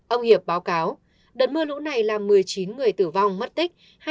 ông hiệp báo cáo đợt mưa lũ này là một mươi chín người tử vong mất tích